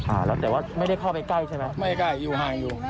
อ่าแล้วแต่ว่าไม่ได้เข้าไปใกล้ใช่ไหมไม่ได้อยู่ห่างอยู่